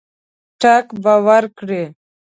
ټګ به ورکړي.